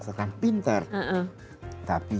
sekarang pintar tapi